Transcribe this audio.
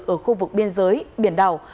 ở khu vực biên giới biển đảo